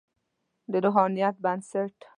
د روحانیت بنسټ.